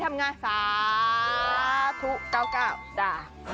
ทำง่ายทุกเก้าเก้าสาธุเก้าเก้าคะ